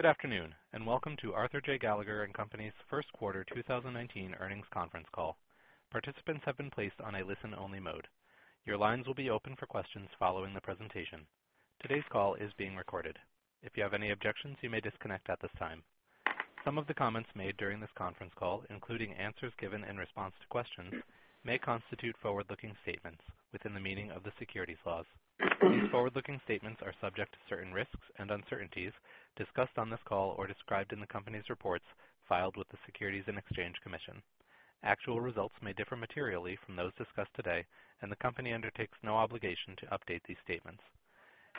Good afternoon, and welcome to Arthur J. Gallagher & Co.'s first quarter 2019 earnings conference call. Participants have been placed on a listen-only mode. Your lines will be open for questions following the presentation. Today's call is being recorded. If you have any objections, you may disconnect at this time. Some of the comments made during this conference call, including answers given in response to questions, may constitute forward-looking statements within the meaning of the securities laws. These forward-looking statements are subject to certain risks and uncertainties discussed on this call or described in the company's reports filed with the Securities and Exchange Commission. Actual results may differ materially from those discussed today, and the company undertakes no obligation to update these statements.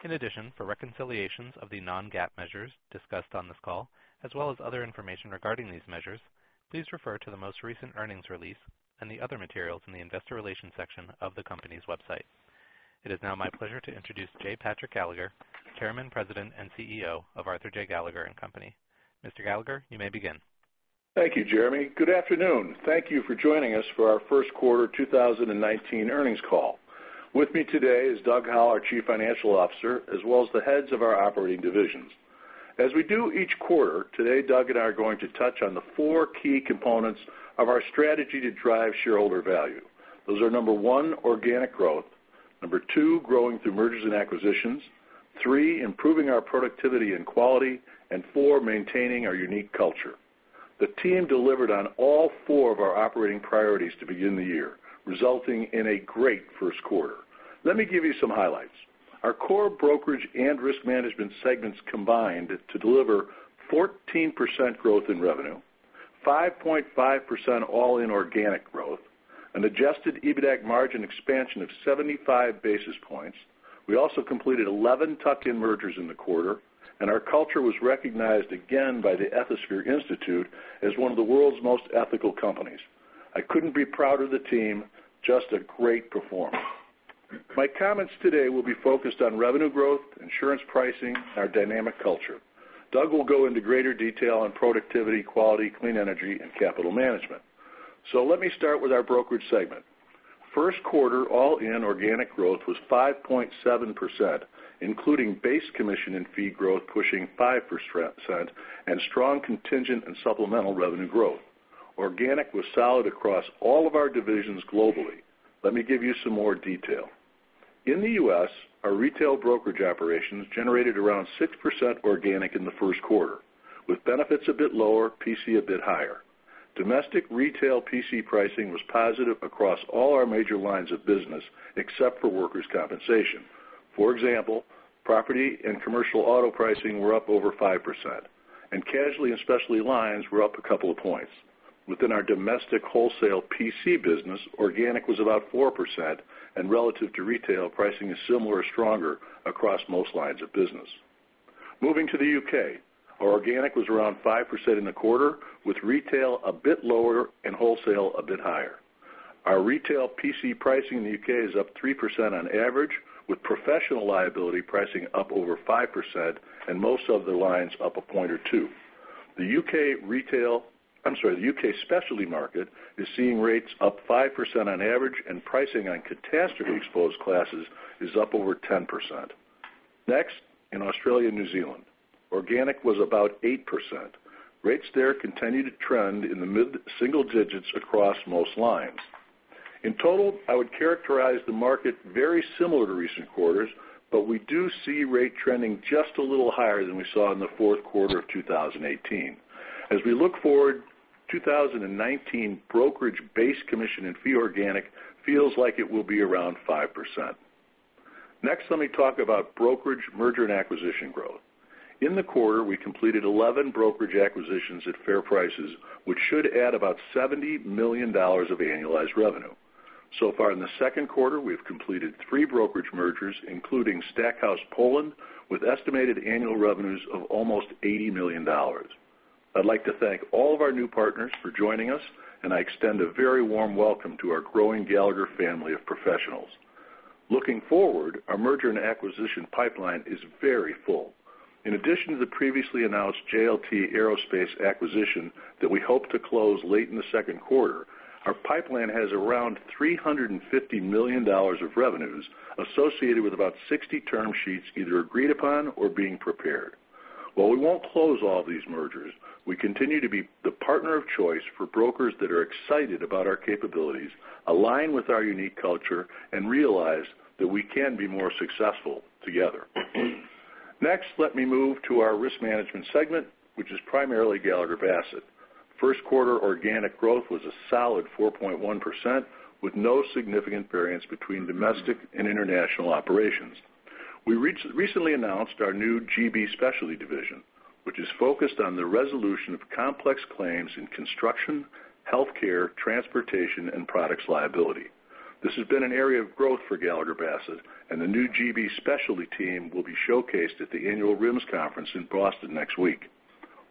In addition, for reconciliations of the non-GAAP measures discussed on this call, as well as other information regarding these measures, please refer to the most recent earnings release and the other materials in the Investor Relations section of the company's website. It is now my pleasure to introduce J. Patrick Gallagher, Chairman, President, and CEO of Arthur J. Gallagher & Co. Mr. Gallagher, you may begin. Thank you, Jeremy. Good afternoon. Thank you for joining us for our first quarter 2019 earnings call. With me today is Doug Howell, our Chief Financial Officer, as well as the heads of our operating divisions. As we do each quarter, today, Doug and I are going to touch on the four key components of our strategy to drive shareholder value. Those are, number one, organic growth, number two, growing through mergers and acquisitions, three, improving our productivity and quality, and four, maintaining our unique culture. The team delivered on all four of our operating priorities to begin the year, resulting in a great first quarter. Let me give you some highlights. Our core brokerage and risk management segments combined to deliver 14% growth in revenue, 5.5% all-in organic growth, an adjusted EBITAC margin expansion of 75 basis points. We also completed 11 tuck-in mergers in the quarter, and our culture was recognized again by the Ethisphere Institute as one of the world's most ethical companies. I couldn't be prouder of the team, just a great performance. My comments today will be focused on revenue growth, insurance pricing, and our dynamic culture. Doug will go into greater detail on productivity, quality, clean energy, and capital management. Let me start with our brokerage segment. First quarter all-in organic growth was 5.7%, including base commission and fee growth pushing 5% and strong contingent and supplemental revenue growth. Organic was solid across all of our divisions globally. Let me give you some more detail. In the U.S., our retail brokerage operations generated around 6% organic in the first quarter, with benefits a bit lower, PC a bit higher. Domestic retail PC pricing was positive across all our major lines of business, except for workers' compensation. For example, property and commercial auto pricing were up over 5%, and casualty and specialty lines were up a couple of points. Within our domestic wholesale PC business, organic was about 4%, and relative to retail, pricing is similar or stronger across most lines of business. Moving to the U.K., our organic was around 5% in the quarter, with retail a bit lower and wholesale a bit higher. Our retail PC pricing in the U.K. is up 3% on average, with professional liability pricing up over 5% and most of the lines up a point or two. The U.K. specialty market is seeing rates up 5% on average, and pricing on catastrophe-exposed classes is up over 10%. In Australia and New Zealand, organic was about 8%. Rates there continue to trend in the mid-single digits across most lines. In total, I would characterize the market very similar to recent quarters, but we do see rate trending just a little higher than we saw in the fourth quarter of 2018. As we look forward, 2019 brokerage base commission and fee organic feels like it will be around 5%. Let me talk about brokerage merger and acquisition growth. In the quarter, we completed 11 brokerage acquisitions at fair prices, which should add about $70 million of annualized revenue. In the second quarter, we have completed three brokerage mergers, including Stackhouse Poland, with estimated annual revenues of almost $80 million. I'd like to thank all of our new partners for joining us, and I extend a very warm welcome to our growing Gallagher family of professionals. Looking forward, our merger and acquisition pipeline is very full. In addition to the previously announced JLT Aerospace acquisition that we hope to close late in the second quarter, our pipeline has around $350 million of revenues associated with about 60 term sheets either agreed upon or being prepared. While we won't close all these mergers, we continue to be the partner of choice for brokers that are excited about our capabilities, align with our unique culture, and realize that we can be more successful together. Let me move to our risk management segment, which is primarily Gallagher Bassett. First quarter organic growth was a solid 4.1%, with no significant variance between domestic and international operations. We recently announced our new GB Specialty division, which is focused on the resolution of complex claims in construction, healthcare, transportation, and products liability. This has been an area of growth for Gallagher Bassett, and the new GB Specialty team will be showcased at the annual RIMS conference in Boston next week.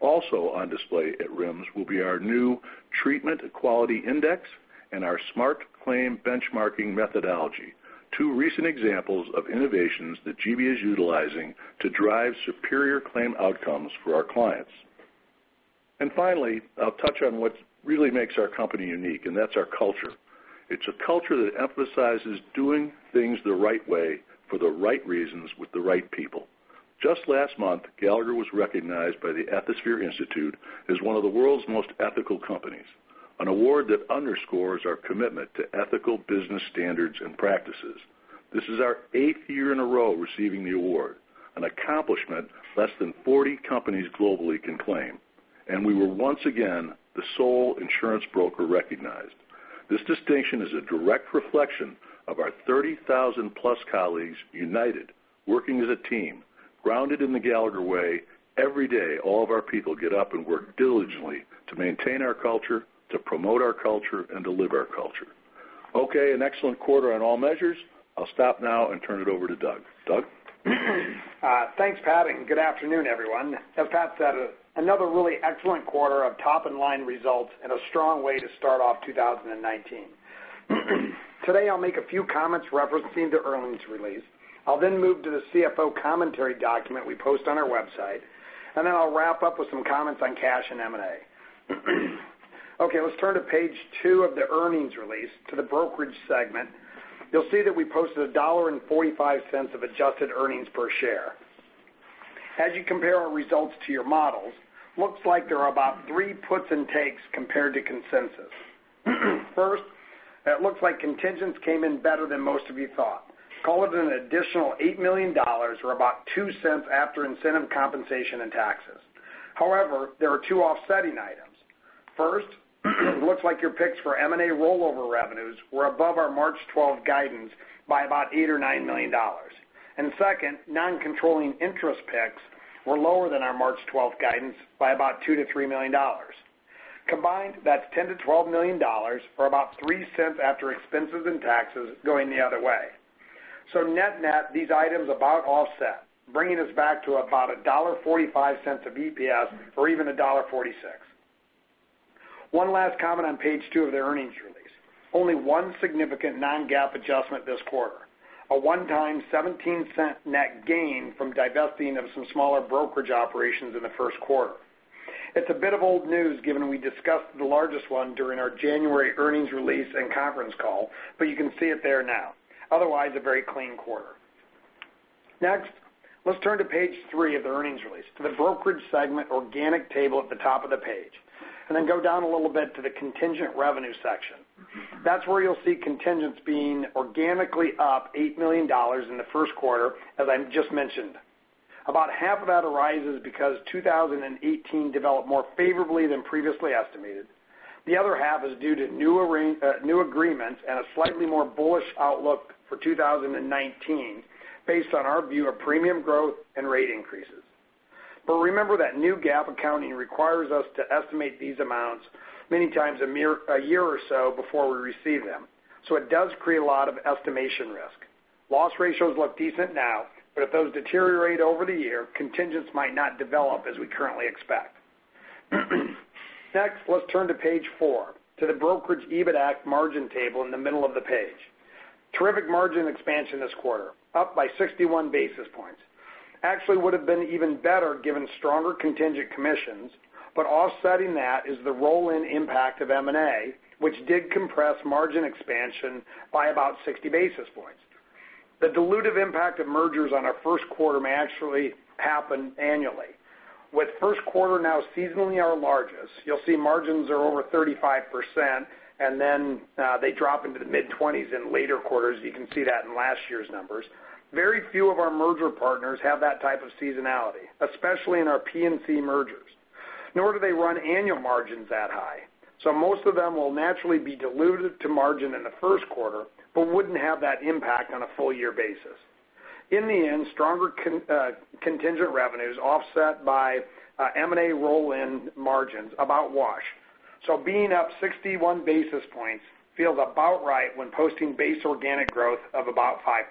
Also on display at RIMS will be our new Treatment Quality Index and our SMART Benchmarking Methodology, two recent examples of innovations that GB is utilizing to drive superior claim outcomes for our clients. Finally, I'll touch on what really makes our company unique, and that's our culture. It's a culture that emphasizes doing things the right way for the right reasons with the right people. Just last month, Gallagher was recognized by the Ethisphere Institute as one of the world's most ethical companies, an award that underscores our commitment to ethical business standards and practices. This is our eighth year in a row receiving the award, an accomplishment less than 40 companies globally can claim, and we were once again the sole insurance broker recognized. This distinction is a direct reflection of our 30,000-plus colleagues united, working as a team, grounded in the Gallagher Way. Every day, all of our people get up and work diligently to maintain our culture, to promote our culture, and to live our culture. Okay, an excellent quarter on all measures. I'll stop now and turn it over to Doug. Doug? Thanks, Pat. Good afternoon, everyone. As Pat said, another really excellent quarter of top and line results and a strong way to start off 2019. Today, I'll make a few comments referencing the earnings release. I'll then move to the CFO commentary document we post on our website. Then I'll wrap up with some comments on cash and M&A. Okay, let's turn to page two of the earnings release, to the brokerage segment. You'll see that we posted $1.45 of adjusted earnings per share. As you compare our results to your models, looks like there are about three puts and takes compared to consensus. First, it looks like contingents came in better than most of you thought, calling it an additional $8 million, or about $0.02 after incentive compensation and taxes. However, there are two offsetting items. First, it looks like your picks for M&A rollover revenues were above our March 12 guidance by about $8 million or $9 million. Second, non-controlling interest picks were lower than our March 12 guidance by about $2 million to $3 million. Combined, that's $10 million to $12 million, or about $0.03 after expenses and taxes going the other way. Net-net, these items about offset, bringing us back to about $1.45 of EPS, or even $1.46. One last comment on page two of the earnings release. Only one significant non-GAAP adjustment this quarter, a one-time $0.17 net gain from divesting of some smaller brokerage operations in the first quarter. It's a bit of old news, given we discussed the largest one during our January earnings release and conference call, but you can see it there now. Otherwise, a very clean quarter. Next, let's turn to page three of the earnings release, to the brokerage segment organic table at the top of the page. Then go down a little bit to the contingent revenue section. That's where you'll see contingents being organically up $8 million in the first quarter, as I just mentioned. About half of that arises because 2018 developed more favorably than previously estimated. The other half is due to new agreements and a slightly more bullish outlook for 2019 based on our view of premium growth and rate increases. Remember that new GAAP accounting requires us to estimate these amounts many times a year or so before we receive them, so it does create a lot of estimation risk. Loss ratios look decent now, but if those deteriorate over the year, contingents might not develop as we currently expect. Let's turn to page four, to the brokerage EBITAC margin table in the middle of the page. Terrific margin expansion this quarter, up by 61 basis points. Actually would've been even better given stronger contingent commissions, but offsetting that is the roll-in impact of M&A, which did compress margin expansion by about 60 basis points. The dilutive impact of mergers on our first quarter may actually happen annually. With first quarter now seasonally our largest, you'll see margins are over 35%, and then they drop into the mid-20s in later quarters. You can see that in last year's numbers. Very few of our merger partners have that type of seasonality, especially in our P&C mergers. Nor do they run annual margins that high, so most of them will naturally be dilutive to margin in the first quarter but wouldn't have that impact on a full-year basis. Stronger contingent revenues offset by M&A roll-in margins about wash. Being up 61 basis points feels about right when posting base organic growth of about 5%.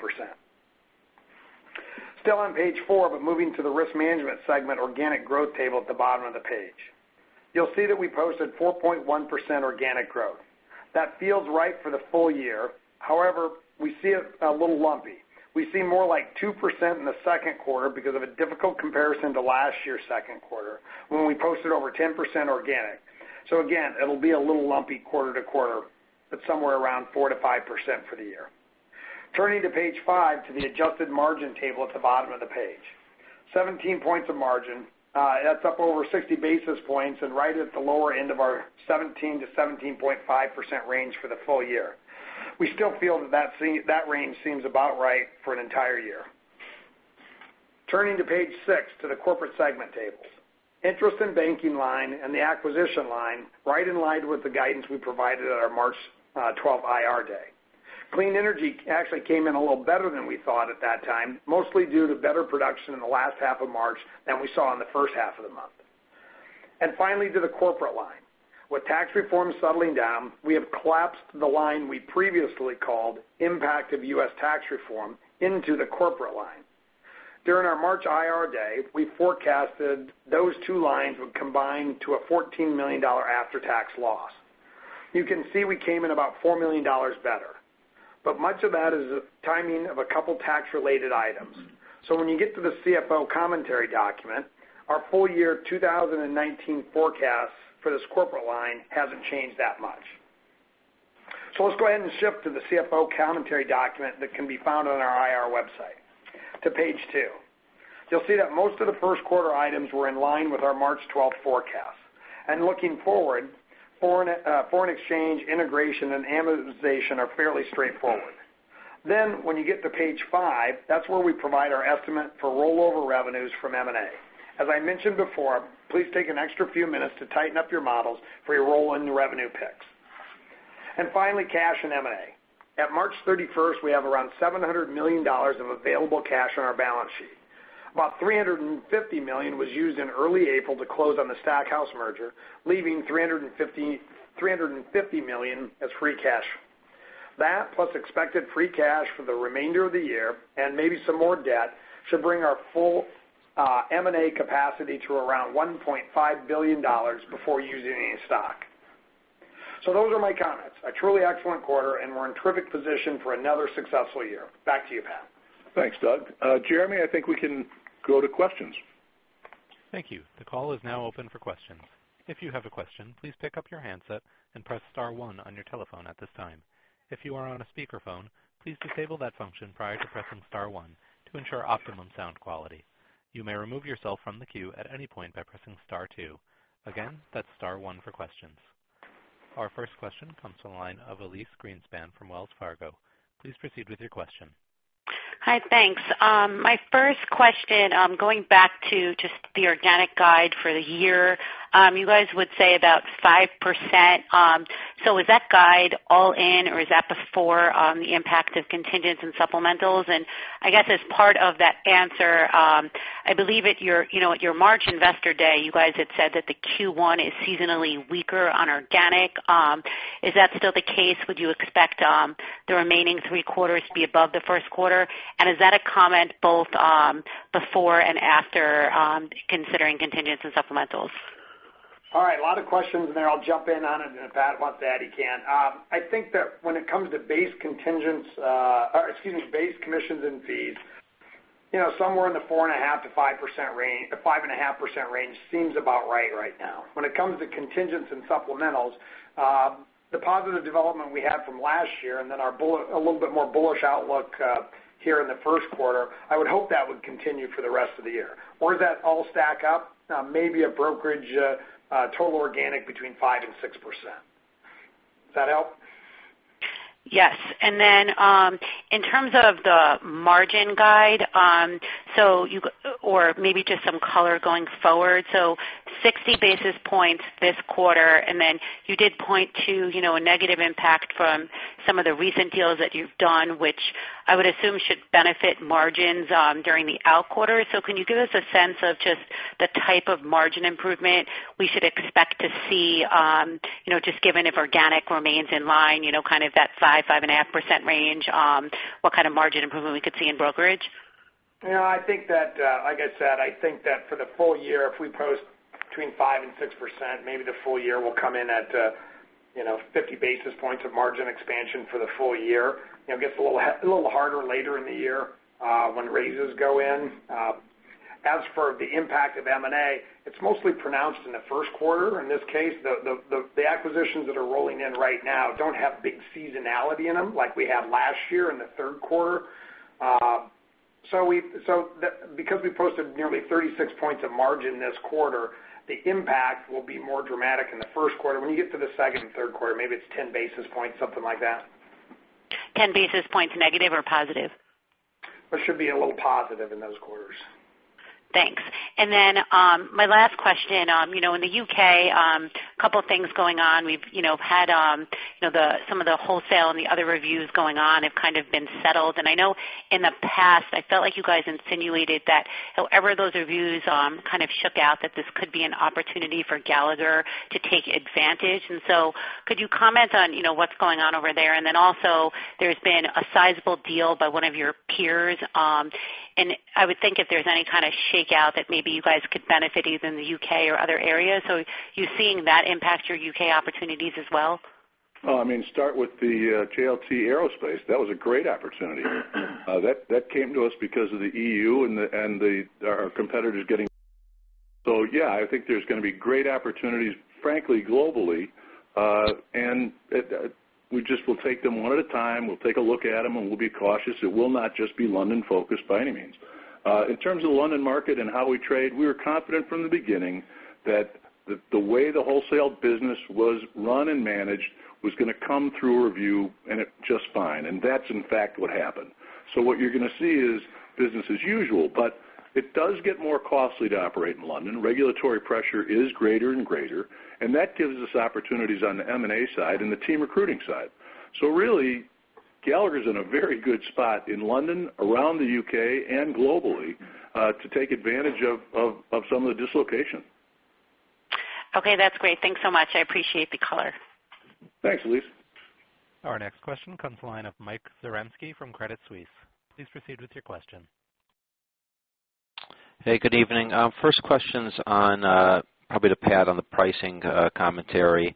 Still on page four, but moving to the risk management segment organic growth table at the bottom of the page. You'll see that we posted 4.1% organic growth. That feels right for the full year. However, we see it a little lumpy. We see more like 2% in the second quarter because of a difficult comparison to last year's second quarter when we posted over 10% organic. Again, it'll be a little lumpy quarter-to-quarter, but somewhere around 4%-5% for the year. Turning to page five, to the adjusted margin table at the bottom of the page. 17 points of margin. That's up over 60 basis points and right at the lower end of our 17%-17.5% range for the full year. We still feel that range seems about right for an entire year. Turning to page six, to the corporate segment tables. Interest and banking line and the acquisition line right in line with the guidance we provided at our March 12 IR day. Clean energy actually came in a little better than we thought at that time, mostly due to better production in the last half of March than we saw in the first half of the month. Finally, to the corporate line. With tax reform settling down, we have collapsed the line we previously called Impact of U.S. Tax Reform into the corporate line. During our March IR day, we forecasted those two lines would combine to a $14 million after-tax loss. You can see we came in about $4 million better. Much of that is the timing of a couple tax-related items. When you get to the CFO commentary document, our full year 2019 forecast for this corporate line hasn't changed that much. Let's go ahead and shift to the CFO commentary document that can be found on our IR website. To page two. You'll see that most of the first quarter items were in line with our March 12th forecast, looking forward, foreign exchange integration and amortization are fairly straightforward. When you get to page five, that's where we provide our estimate for rollover revenues from M&A. As I mentioned before, please take an extra few minutes to tighten up your models for your roll-in new revenue picks. Finally, cash and M&A. At March 31st, we have around $700 million of available cash on our balance sheet. About $350 million was used in early April to close on the Stackhouse merger, leaving $350 million as free cash. That, plus expected free cash for the remainder of the year, and maybe some more debt, should bring our full M&A capacity to around $1.5 billion before using any stock. Those are my comments. A truly excellent quarter, and we're in terrific position for another successful year. Back to you, Pat. Thanks, Doug. Jeremy, I think we can go to questions. Thank you. The call is now open for questions. If you have a question, please pick up your handset and press star one on your telephone at this time. If you are on a speakerphone, please disable that function prior to pressing star one to ensure optimum sound quality. You may remove yourself from the queue at any point by pressing star two. Again, that's star one for questions. Our first question comes from the line of Elyse Greenspan from Wells Fargo. Please proceed with your question. Hi. Thanks. My first question, going back to just the organic guide for the year. You guys would say about 5%. Is that guide all in or is that before the impact of contingents and supplementals? And I guess as part of that answer, I believe at your March Investor Day, you guys had said that the Q1 is seasonally weaker on organic. Is that still the case? Would you expect the remaining three quarters to be above the first quarter? And is that a comment both before and after considering contingents and supplementals? All right. A lot of questions there. I'll jump in on it, and if Pat wants to add, he can. I think that when it comes to base commissions and fees, somewhere in the 4.5%-5.5% range seems about right now. When it comes to contingents and supplementals, the positive development we had from last year and then a little bit more bullish outlook here in the first quarter, I would hope that would continue for the rest of the year. Where does that all stack up? Maybe a brokerage total organic between 5% and 6%. Does that help? Yes. In terms of the margin guide, or maybe just some color going forward, 60 basis points this quarter, and then you did point to a negative impact from some of the recent deals that you've done, which I would assume should benefit margins during the out quarters. Can you give us a sense of just the type of margin improvement we should expect to see, just given if organic remains in line, kind of that 5%-5.5% range, what kind of margin improvement we could see in brokerage? I think that, like I said, I think that for the full year, if we post between 5% and 6%, maybe the full year will come in at 50 basis points of margin expansion for the full year. It gets a little harder later in the year when raises go in. As for the impact of M&A, it's mostly pronounced in the first quarter. In this case, the acquisitions that are rolling in right now don't have big seasonality in them like we had last year in the third quarter. Because we posted nearly 36 points of margin this quarter, the impact will be more dramatic in the first quarter. When you get to the second and third quarter, maybe it's 10 basis points, something like that. 10 basis points negative or positive? It should be a little positive in those quarters. Thanks. My last question. In the U.K., couple things going on. We've had some of the wholesale and the other reviews going on have kind of been settled, I know in the past, I felt like you guys insinuated that however those reviews kind of shook out, that this could be an opportunity for Gallagher to take advantage. Could you comment on what's going on over there? Also, there's been a sizable deal by one of your peers. I would think if there's any kind of shakeout that maybe you guys could benefit even in the U.K. or other areas. Are you seeing that impact your U.K. opportunities as well? Well, start with the JLT Aerospace. That was a great opportunity. That came to us because of the EU and our competitors. I think there's going to be great opportunities, frankly, globally. We just will take them one at a time. We'll take a look at them, and we'll be cautious. It will not just be London focused by any means. In terms of the London market and how we trade, we were confident from the beginning that the way the wholesale business was run and managed was going to come through a review and just fine. That's in fact what happened. What you're going to see is business as usual, but it does get more costly to operate in London. Regulatory pressure is greater and greater, and that gives us opportunities on the M&A side and the team recruiting side. Really, Gallagher's in a very good spot in London, around the U.K., and globally, to take advantage of some of the dislocation. Okay. That's great. Thanks so much. I appreciate the color. Thanks, Elyse. Our next question comes the line of Michael Zaremski from Credit Suisse. Please proceed with your question. Hey, good evening. First question's on probably to Pat on the pricing commentary.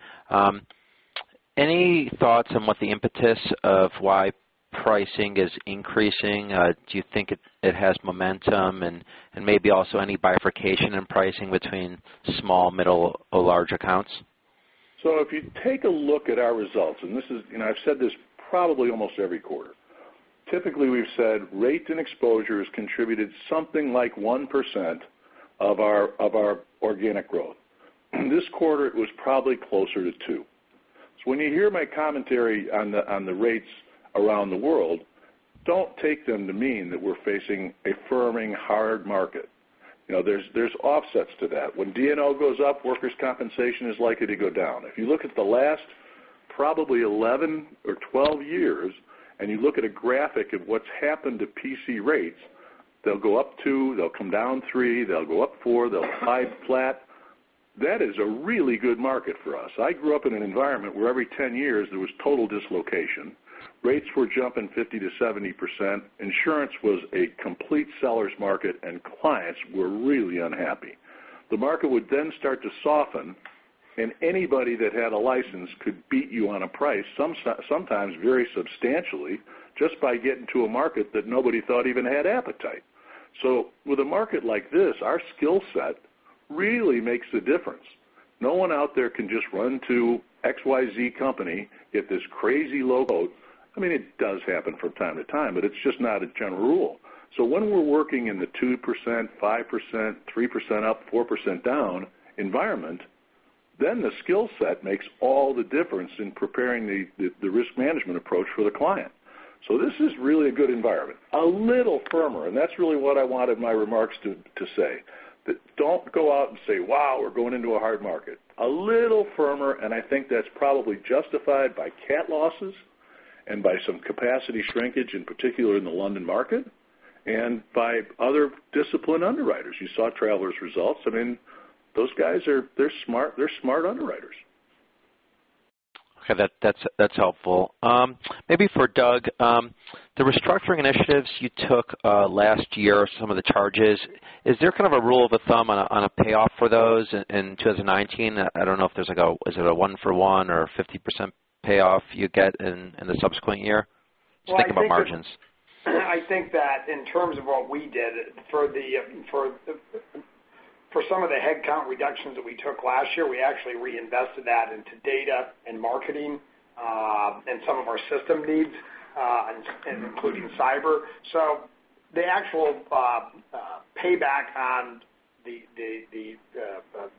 Any thoughts on what the impetus of why pricing is increasing? Do you think it has momentum? Maybe also any bifurcation in pricing between small, middle, or large accounts? If you take a look at our results, and I've said this probably almost every quarter. Typically, we've said rates and exposures contributed something like 1% of our organic growth. This quarter it was probably closer to 2%. When you hear my commentary on the rates around the world, don't take them to mean that we're facing a firming hard market. There's offsets to that. When D&O goes up, workers' compensation is likely to go down. If you look at the last probably 11 or 12 years, and you look at a graphic of what's happened to PC rates, they'll go up 2, they'll come down 3, they'll go up 4, they'll hold flat. That is a really good market for us. I grew up in an environment where every 10 years there was total dislocation. Rates were jumping 50%-70%, insurance was a complete seller's market, and clients were really unhappy. The market would then start to soften, and anybody that had a license could beat you on a price, sometimes very substantially, just by getting to a market that nobody thought even had appetite. With a market like this, our skill set really makes a difference. No one out there can just run to XYZ company, get this crazy low quote. I mean, it does happen from time to time, but it's just not a general rule. When we're working in the 2%, 5%, 3% up, 4% down environment, then the skill set makes all the difference in preparing the risk management approach for the client. This is really a good environment. A little firmer, and that's really what I wanted my remarks to say. That don't go out and say, "Wow, we're going into a hard market." A little firmer, and I think that's probably justified by cat losses and by some capacity shrinkage, in particular in the London market, and by other disciplined underwriters. You saw Travelers results. Those guys, they're smart underwriters. Okay. That's helpful. Maybe for Doug, the restructuring initiatives you took last year, some of the charges, is there kind of a rule of the thumb on a payoff for those in 2019? I don't know if there's like a one for one or a 50% payoff you get in the subsequent year? Just thinking about margins. I think that in terms of what we did for some of the headcount reductions that we took last year, we actually reinvested that into data and marketing, and some of our system needs, including cyber. The actual payback on the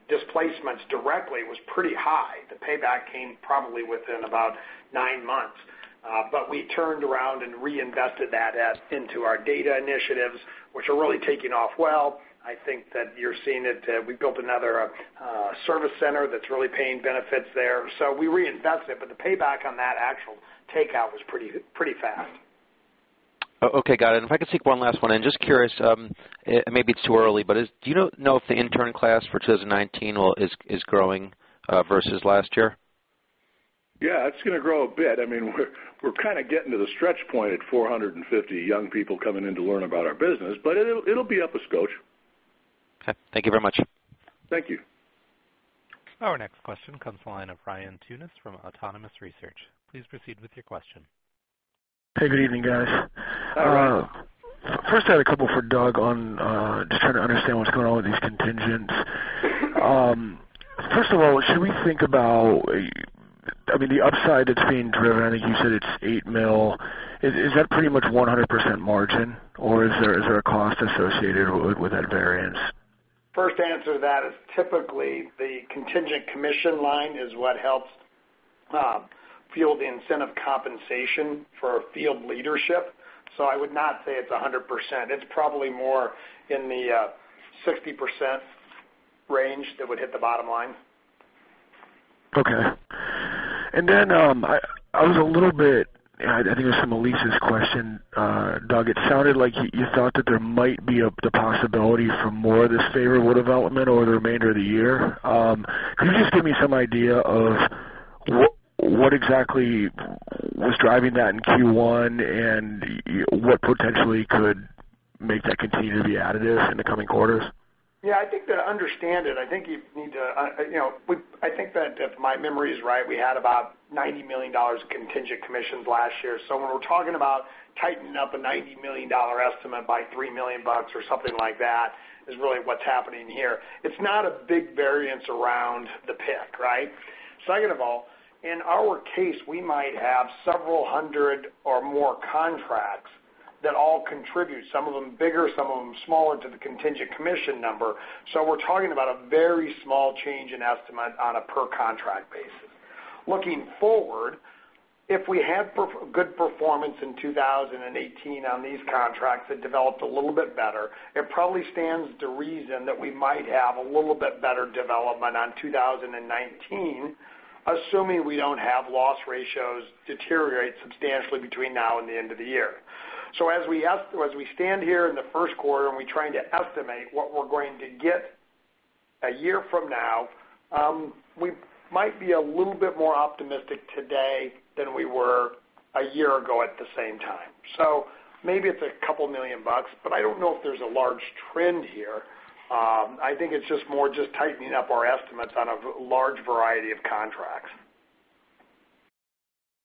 displacements directly was pretty high. The payback came probably within about nine months. We turned around and reinvested that into our data initiatives, which are really taking off well. I think that you're seeing it. We built another service center that's really paying benefits there. We reinvest it, but the payback on that actual takeout was pretty fast. Okay, got it. If I could sneak one last one in, just curious, it may be too early, but do you know if the intern class for 2019 is growing versus last year? Yeah, it's going to grow a bit. We're kind of getting to the stretch point at 450 young people coming in to learn about our business, it'll be up a skosh. Okay. Thank you very much. Thank you. Our next question comes to the line of Ryan Tunis from Autonomous Research. Please proceed with your question. Hey, good evening, guys. First, I had a couple for Doug on just trying to understand what's going on with these contingents. First of all, should we think about the upside that's being driven, I think you said it's $8 million, is that pretty much 100% margin, or is there a cost associated with that variance? First answer to that is typically the contingent commission line is what helps fuel the incentive compensation for field leadership. I would not say it's 100%. It's probably more in the 60% range that would hit the bottom line. Okay. I was a little bit, I think it was from Elyse's question, Doug, it sounded like you thought that there might be the possibility for more of this favorable development over the remainder of the year. Could you just give me some idea of what exactly was driving that in Q1 and what potentially could make that continue to be additive in the coming quarters? Yeah, I think to understand it, if my memory is right, we had about $90 million of contingent commissions last year. When we're talking about tightening up a $90 million estimate by $3 million or something like that is really what's happening here. It's not a big variance around the pick, right? Second of all, in our case, we might have several hundred or more contracts that all contribute, some of them bigger, some of them smaller, to the contingent commission number. We're talking about a very small change in estimate on a per contract basis. Looking forward, if we had good performance in 2018 on these contracts that developed a little bit better, it probably stands to reason that we might have a little bit better development on 2019, assuming we don't have loss ratios deteriorate substantially between now and the end of the year. As we stand here in the first quarter and we're trying to estimate what we're going to get a year from now, we might be a little bit more optimistic today than we were a year ago at the same time. Maybe it's a couple million dollars, I don't know if there's a large trend here. I think it's just more just tightening up our estimates on a large variety of contracts.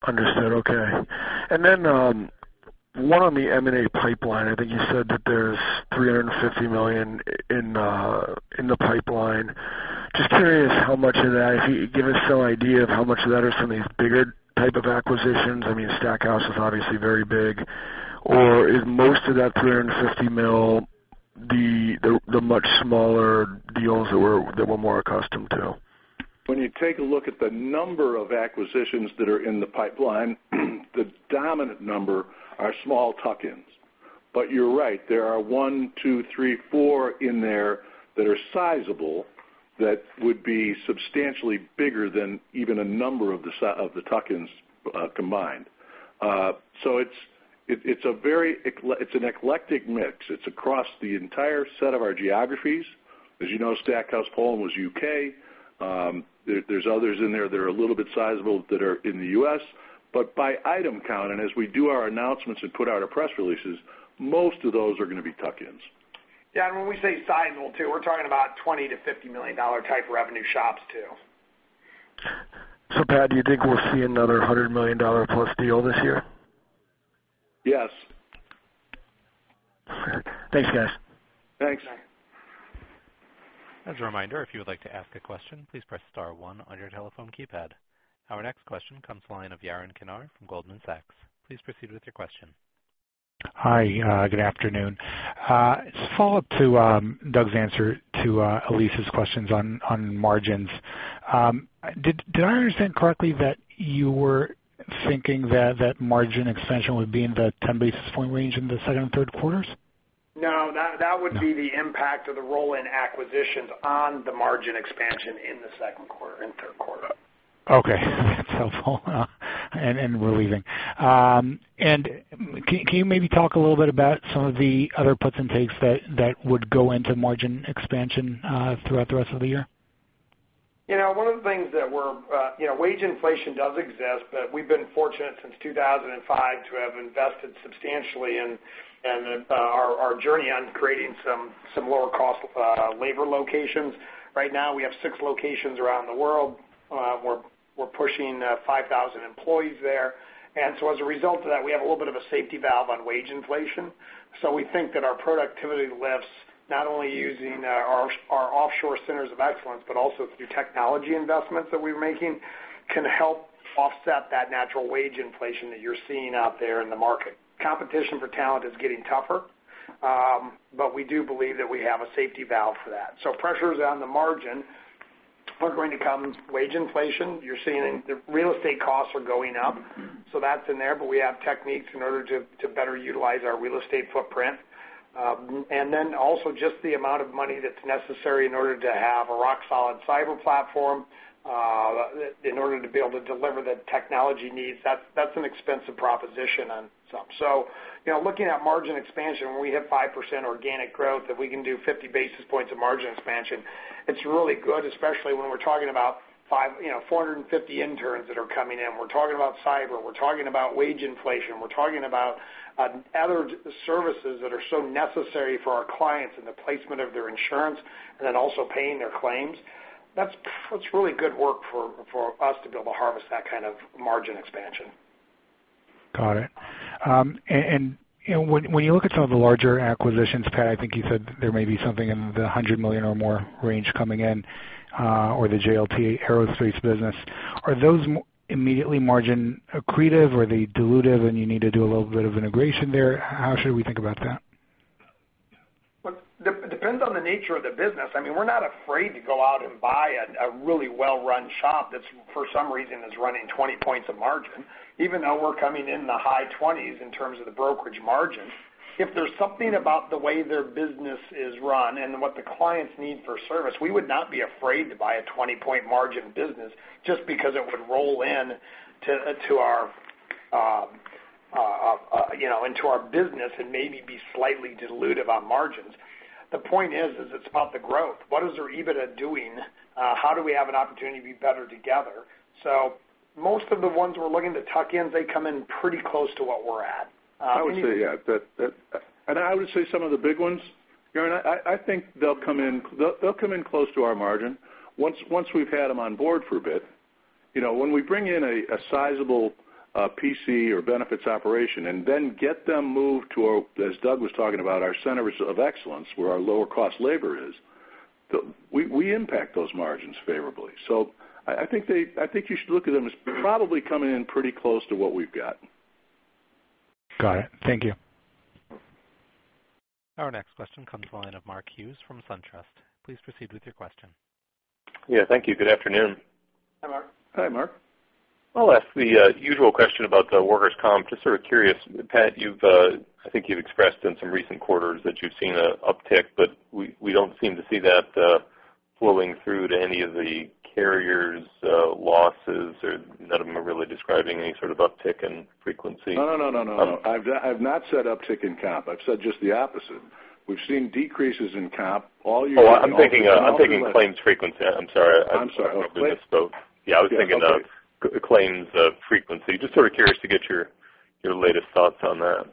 Understood. Okay. One on the M&A pipeline. I think you said that there's $350 million in the pipeline. Just curious how much of that, if you could give us some idea of how much of that are some of these bigger type of acquisitions. Stackhouse is obviously very big. Is most of that $350 million the much smaller deals that we're more accustomed to? When you take a look at the number of acquisitions that are in the pipeline, the dominant number are small tuck-ins. You're right, there are one, two, three, four in there that are sizable that would be substantially bigger than even a number of the tuck-ins combined. It's an eclectic mix. It's across the entire set of our geographies. As you know, Stackhouse Poland was U.K. There's others in there that are a little bit sizable that are in the U.S. By item count, and as we do our announcements and put out our press releases, most of those are going to be tuck-ins. Yeah, when we say sizable too, we're talking about $20 million-$50 million type revenue shops, too. Pat, do you think we'll see another $100 million+ deal this year? Yes. Thanks, guys. Thanks. As a reminder, if you would like to ask a question, please press star one on your telephone keypad. Our next question comes to the line of Yaron Kinar from Goldman Sachs. Please proceed with your question. Hi, good afternoon. Just a follow-up to Doug's answer to Elyse's questions on margins. Did I understand correctly that you were thinking that that margin expansion would be in the 10 basis point range in the second and third quarters? No, that would be the impact of the roll-in acquisitions on the margin expansion in the second quarter and third quarter. Okay. That's helpful. We're leaving. Can you maybe talk a little bit about some of the other puts and takes that would go into margin expansion throughout the rest of the year? One of the things that wage inflation does exist, but we've been fortunate since 2005 to have invested substantially in our journey on creating some lower cost labor locations. Right now, we have six locations around the world. We're pushing 5,000 employees there. As a result of that, we have a little bit of a safety valve on wage inflation. We think that our productivity lifts, not only using our offshore centers of excellence, but also through technology investments that we're making, can help offset that natural wage inflation that you're seeing out there in the market. Competition for talent is getting tougher, we do believe that we have a safety valve for that. Pressures on the margin are going to come. Wage inflation, you're seeing the real estate costs are going up. That's in there, we have techniques in order to better utilize our real estate footprint. Also just the amount of money that's necessary in order to have a rock solid cyber platform in order to be able to deliver the technology needs. That's an expensive proposition on some. Looking at margin expansion, when we hit 5% organic growth, if we can do 50 basis points of margin expansion, it's really good, especially when we're talking about 450 interns that are coming in. We're talking about cyber. We're talking about wage inflation. We're talking about other services that are so necessary for our clients in the placement of their insurance and also paying their claims. That's really good work for us to be able to harvest that kind of margin expansion. Got it. When you look at some of the larger acquisitions, Pat, I think you said there may be something in the $100 million or more range coming in or the JLT Aerospace business. Are those immediately margin accretive or are they dilutive and you need to do a little bit of integration there? How should we think about that? Well, it depends on the nature of the business. We're not afraid to go out and buy a really well-run shop that for some reason is running 20 points of margin, even though we're coming in the high 20s in terms of the brokerage margin. If there's something about the way their business is run and what the clients need for service, we would not be afraid to buy a 20 point margin business just because it would roll in to our business and maybe be slightly dilutive on margins. The point is it's about the growth. What is their EBITDA doing? How do we have an opportunity to be better together? Most of the ones we're looking to tuck in, they come in pretty close to what we're at. I would say, yeah. I would say some of the big ones, Yaron, I think they'll come in close to our margin once we've had them on board for a bit. When we bring in a sizable PC or benefits operation and then get them moved to, as Doug was talking about, our centers of excellence where our lower cost labor is, we impact those margins favorably. I think you should look at them as probably coming in pretty close to what we've got. Got it. Thank you. Our next question comes to the line of Mark Hughes from SunTrust. Please proceed with your question. Yeah, thank you. Good afternoon. Hi, Mark. Hi, Mark. I'll ask the usual question about the workers' comp. Just sort of curious, Pat, I think you've expressed in some recent quarters that you've seen an uptick, but we don't seem to see that flowing through to any of the carriers' losses or none of them are really describing any sort of uptick in frequency. No. I've not said uptick in comp. I've said just the opposite. We've seen decreases in comp all year long. Oh, I'm thinking claims frequency. I'm sorry. I'm sorry. I misspoke. Yeah, I was thinking of claims frequency. Just sort of curious to get your latest thoughts on that.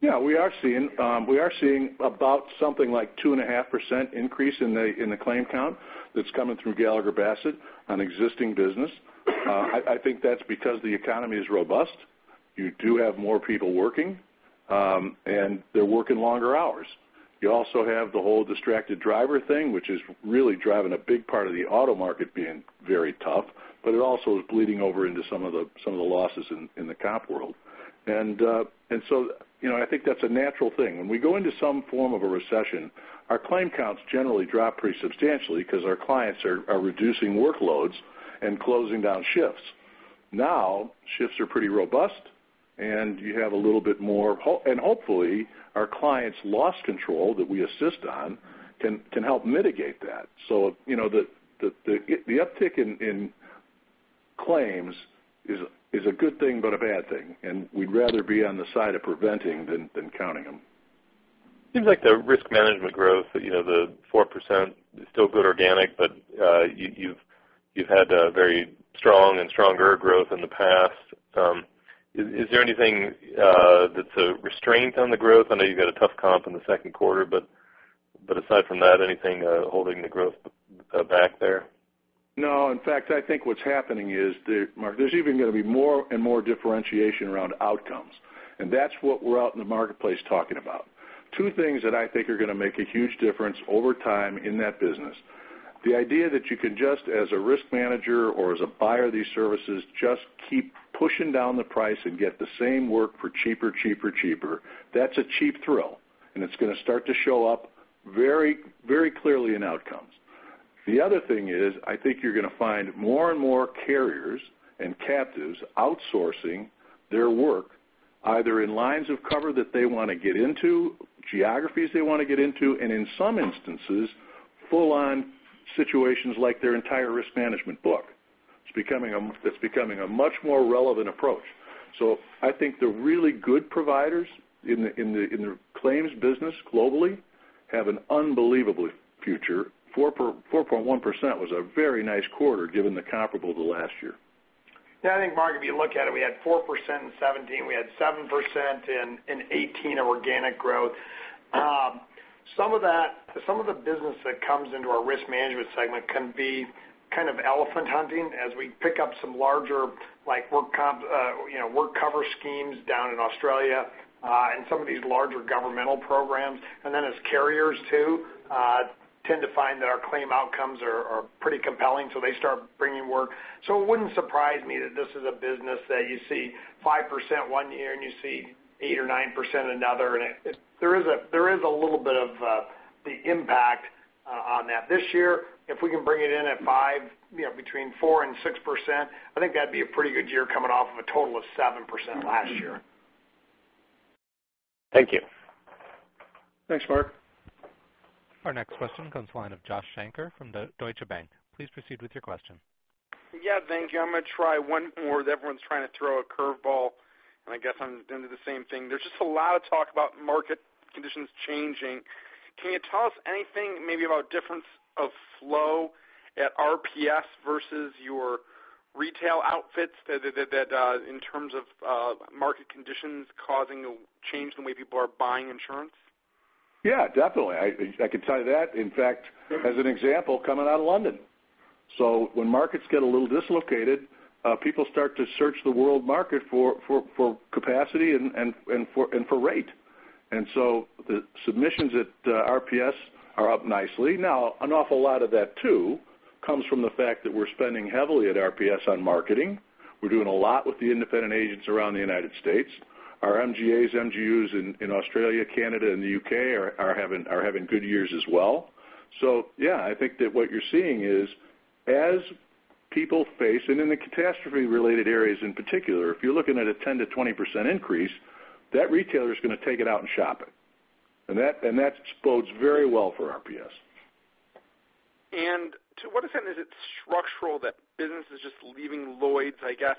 Yeah, we are seeing about something like 2.5% increase in the claim count that's coming through Gallagher Bassett on existing business. I think that's because the economy is robust. You do have more people working, and they're working longer hours. You also have the whole distracted driver thing, which is really driving a big part of the auto market being very tough, but it also is bleeding over into some of the losses in the comp world. I think that's a natural thing. When we go into some form of a recession, our claim counts generally drop pretty substantially because our clients are reducing workloads and closing down shifts. Shifts are pretty robust, and you have a little bit more hope, and hopefully our clients' loss control that we assist on can help mitigate that. The uptick in claims is a good thing, but a bad thing, and we'd rather be on the side of preventing than counting them. Seems like the risk management growth, the 4%, still good organic, but you've had a very strong and stronger growth in the past. Is there anything that's a restraint on the growth? I know you've got a tough comp in the second quarter, but aside from that, anything holding the growth back there? No. In fact, I think what's happening is, Mark, there's even going to be more and more differentiation around outcomes, and that's what we're out in the marketplace talking about. Two things that I think are going to make a huge difference over time in that business. The idea that you can just as a risk manager or as a buyer of these services, just keep pushing down the price and get the same work for cheaper. That's a cheap thrill, and it's going to start to show up very clearly in outcomes. The other thing is, I think you're going to find more and more carriers and captives outsourcing their work either in lines of cover that they want to get into, geographies they want to get into, and in some instances, full-on situations like their entire risk management book. That's becoming a much more relevant approach. I think the really good providers in the claims business globally have an unbelievable future. 4.1% was a very nice quarter given the comparable to last year. Yeah, I think, Mark, if you look at it, we had 4% in 2017. We had 7% in 2018 of organic growth. Some of the business that comes into our risk management segment can be kind of elephant hunting as we pick up some larger work cover schemes down in Australia, and some of these larger governmental programs. As carriers too, tend to find that our claim outcomes are pretty compelling, so they start bringing work. It wouldn't surprise me that this is a business that you see 5% one year, and you see 8% or 9% another, and there is a little bit of the impact on that. This year, if we can bring it in at 5%, between 4% and 6%, I think that'd be a pretty good year coming off of a total of 7% last year. Thank you. Thanks, Mark. Our next question comes to the line of Joshua Shanker from Deutsche Bank. Please proceed with your question. Yeah. Thank you. I'm going to try one more that everyone's trying to throw a curve ball, and I guess I'm doing the same thing. There's just a lot of talk about market conditions changing. Can you tell us anything maybe about difference of flow at RPS versus your retail outfits that in terms of market conditions causing a change in the way people are buying insurance? Yeah, definitely. I can tell you that. In fact, as an example, coming out of London. When markets get a little dislocated, people start to search the world market for capacity and for rate. The submissions at RPS are up nicely. Now, an awful lot of that, too, comes from the fact that we're spending heavily at RPS on marketing. We're doing a lot with the independent agents around the U.S. Our MGAs, MGUs in Australia, Canada, and the U.K. are having good years as well. Yeah, I think that what you're seeing is as people face, and in the catastrophe related areas in particular, if you're looking at a 10%-20% increase, that retailer's going to take it out and shop it, and that bodes very well for RPS. To what extent is it structural that business is just leaving Lloyd's, I guess?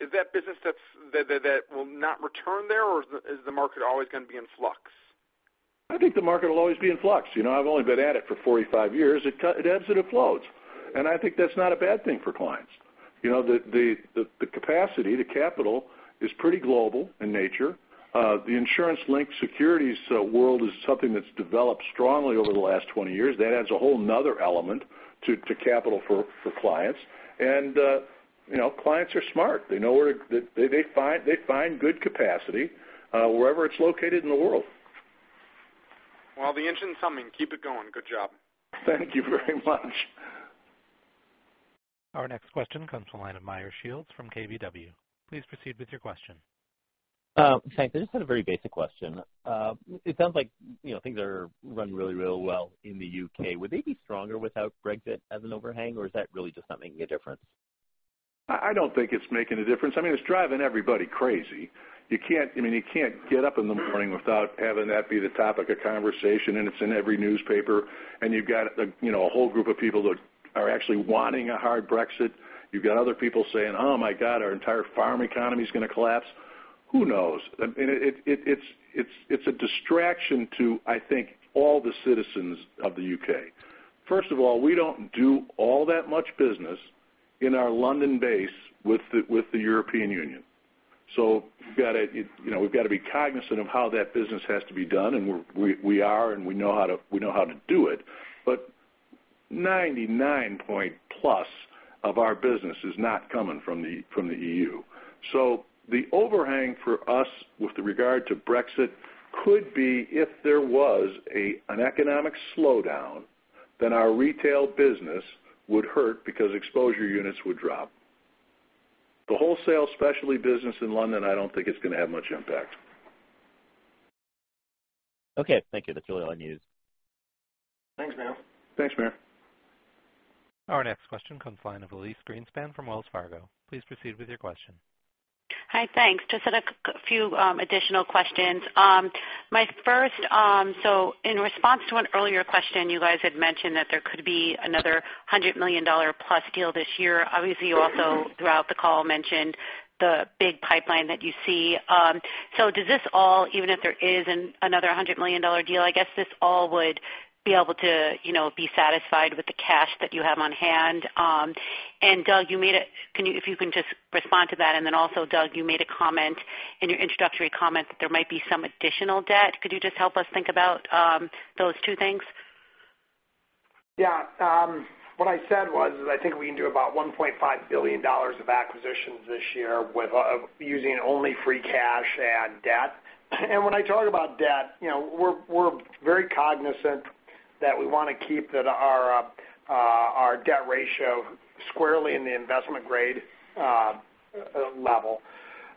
Is that business that will not return there, or is the market always going to be in flux? I think the market will always be in flux. I've only been at it for 45 years. It ebbs and it flows, and I think that's not a bad thing for clients. The capacity, the capital is pretty global in nature. The insurance-linked securities world is something that's developed strongly over the last 20 years. That adds a whole other element to capital for clients. Clients are smart. They find good capacity wherever it's located in the world. Well, the engine's humming. Keep it going. Good job. Thank you very much. Our next question comes from the line of Meyer Shields from KBW. Please proceed with your question. Thanks. I just had a very basic question. It sounds like things are running really well in the U.K. Would they be stronger without Brexit as an overhang, or is that really just not making a difference? I don't think it's making a difference. It's driving everybody crazy. You can't get up in the morning without having that be the topic of conversation, and it's in every newspaper, and you've got a whole group of people that are actually wanting a hard Brexit. You've got other people saying, "Oh my God, our entire farm economy is going to collapse." Who knows? It's a distraction to, I think, all the citizens of the U.K. First of all, we don't do all that much business in our London base with the European Union. We've got to be cognizant of how that business has to be done, and we are, and we know how to do it. 99-plus of our business is not coming from the EU. The overhang for us with regard to Brexit could be if there was an economic slowdown, our retail business would hurt because exposure units would drop. The wholesale specialty business in London, I don't think it's going to have much impact. Thank you. That's really all I need. Thanks, Mayer. Thanks, Meyer. Our next question comes from the line of Elyse Greenspan from Wells Fargo. Please proceed with your question. Hi, thanks. Just a few additional questions. My first, in response to an earlier question, you guys had mentioned that there could be another $100 million-plus deal this year. Obviously, you also, throughout the call, mentioned the big pipeline that you see. Does this all, even if there is another $100 million deal, I guess this all would be able to be satisfied with the cash that you have on hand? And Doug, if you can just respond to that, and then also, Doug, you made a comment in your introductory comment that there might be some additional debt. Could you just help us think about those two things? Yeah. What I said was, is I think we can do about $1.5 billion of acquisitions this year using only free cash and debt. When I talk about debt, we're very cognizant that we want to keep our debt ratio squarely in the investment grade level.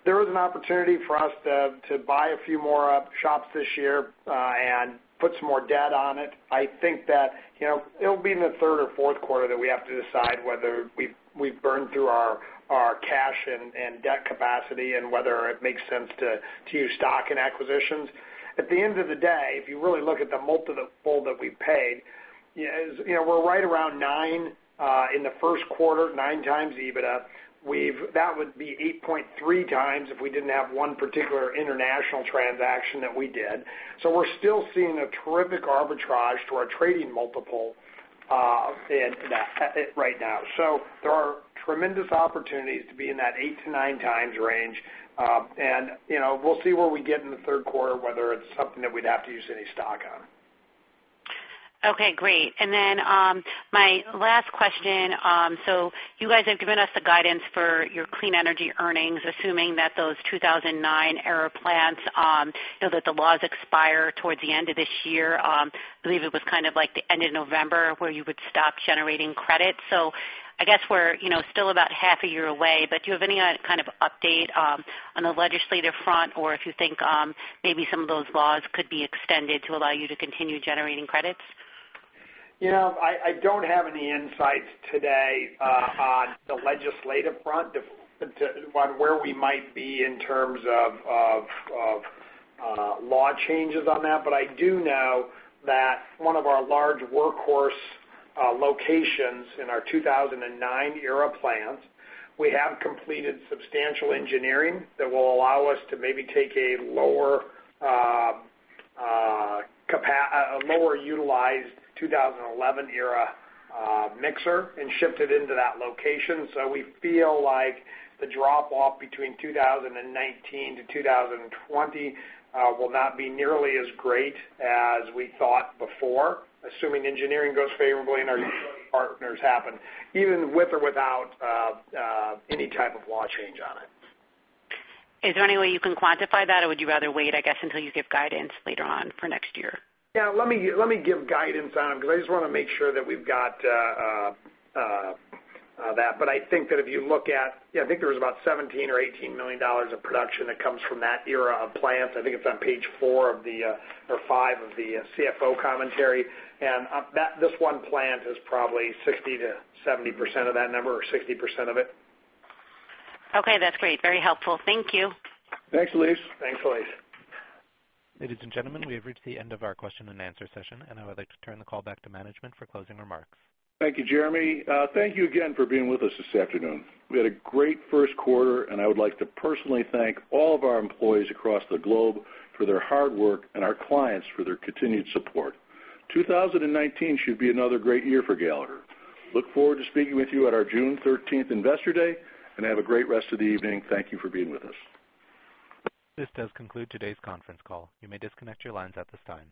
There is an opportunity for us to buy a few more shops this year and put some more debt on it. I think that it'll be in the third or fourth quarter that we have to decide whether we've burned through our cash and debt capacity, and whether it makes sense to use stock in acquisitions. At the end of the day, if you really look at the multiple that we pay, we're right around nine in the first quarter, nine times EBITDA. That would be 8.3 times if we didn't have one particular international transaction that we did. We're still seeing a terrific arbitrage to our trading multiple right now. There are tremendous opportunities to be in that eight to nine times range. We'll see where we get in the third quarter, whether it's something that we'd have to use any stock on. Okay, great. My last question, you guys have given us the guidance for your clean energy earnings, assuming that those 2009 ERA plants, the laws expire towards the end of this year. I believe it was kind of like the end of November where you would stop generating credits. I guess we're still about half a year away, but do you have any kind of update on the legislative front, or if you think maybe some of those laws could be extended to allow you to continue generating credits? I don't have any insights today on the legislative front on where we might be in terms of law changes on that. I do know that one of our large workhorse locations in our 2009 ERA plants, we have completed substantial engineering that will allow us to maybe take a lower utilized 2011 ERA mixer and shift it into that location. We feel like the drop-off between 2019 to 2020 will not be nearly as great as we thought before, assuming engineering goes favorably and our utility partners happen, even with or without any type of law change on it. Is there any way you can quantify that, or would you rather wait, I guess, until you give guidance later on for next year? Yeah, let me give guidance on them because I just want to make sure that we've got that. I think that if you look at there was about $17 million or $18 million of production that comes from that ERA of plants. I think it's on page four or five of the CFO commentary. This one plant is probably 60%-70% of that number, or 60% of it. Okay, that's great. Very helpful. Thank you. Thanks, Elise. Thanks, Elise. Ladies and gentlemen, we have reached the end of our question and answer session. I would like to turn the call back to management for closing remarks. Thank you, Jeremy. Thank you again for being with us this afternoon. We had a great first quarter. I would like to personally thank all of our employees across the globe for their hard work and our clients for their continued support. 2019 should be another great year for Gallagher. Look forward to speaking with you at our June 13th Investor Relations day. Have a great rest of the evening. Thank you for being with us. This does conclude today's conference call. You may disconnect your lines at this time.